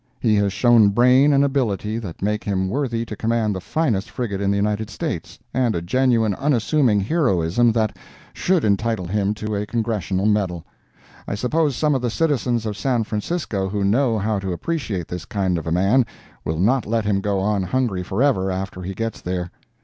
He has shown brain and ability that make him worthy to command the finest frigate in the United States, and a genuine unassuming heroism that [should] entitle him to a Congressional medal. I suppose some of the citizens of San Francisco who know how to appreciate this kind of a man will not let him go on hungry forever after he gets there.